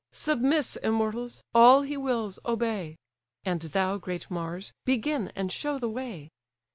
Submiss, immortals! all he wills, obey: And thou, great Mars, begin and show the way.